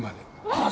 ああ